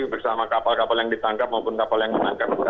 bersama kapal kapal yang ditangkap maupun kapal yang menangkap